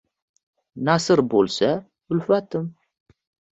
Nasr bo‘lsa, ulfatim…